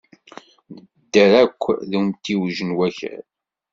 Nedder akk deg umtiweg n Wakal.